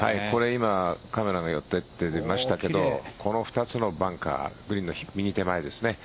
今、カメラが寄っていって出ましたがこの２つのバンカーグリーンの右手前ですね。